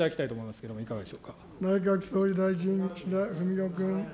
けれ内閣総理大臣、岸田文雄君。